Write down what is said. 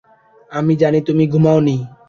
আমি জানি তুমি ঘুমাওনি।